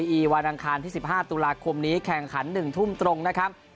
อีวันอังคารที่๑๕ตุลาคมนี้แข่งขัน๑ทุ่มตรงนะครับ